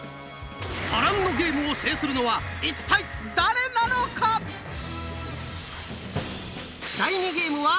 波乱のゲームを制するのは一体誰なのか⁉頑張って！